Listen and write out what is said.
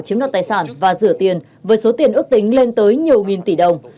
chiếm đoạt tài sản và rửa tiền với số tiền ước tính lên tới nhiều nghìn tỷ đồng